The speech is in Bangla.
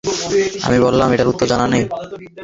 আমি বললাম, এইটার উত্তর জানা নাই।